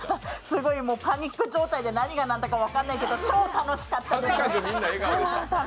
すごいパニック状態で何がなんだか分からないけど超楽しかったです。